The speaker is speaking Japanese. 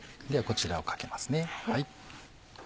ではこちらをかけますね。